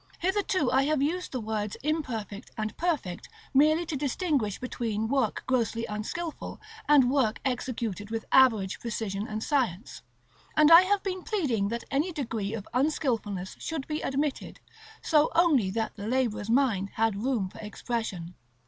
Hitherto I have used the words imperfect and perfect merely to distinguish between work grossly unskilful, and work executed with average precision and science; and I have been pleading that any degree of unskilfulness should be admitted, so only that the laborer's mind had room for expression.